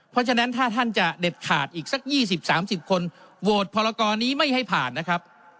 เพราะฉะนั้นถ้าท่านจะเด็ดขาดอีกสัก๒๐๓๐คนโหวตพรกรนี้ไม่ให้ผ่านนะครับ